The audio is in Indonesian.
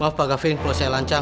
maaf pak gavin kalau saya lancar